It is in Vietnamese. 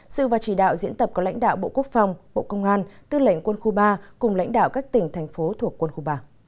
sự và chỉ đạo diễn tập có lãnh đạo bộ quốc phòng bộ công an tư lệnh quân khu ba cùng lãnh đạo các tỉnh thành phố thuộc quân khu ba